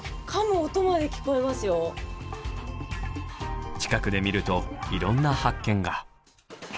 近くで見るといろんな発見が！